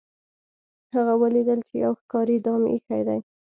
هغه ولیدل چې یو ښکاري دام ایښی دی.